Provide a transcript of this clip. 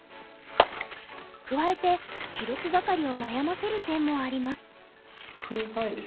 加えて記録係を悩ませる点もあります。